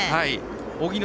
荻野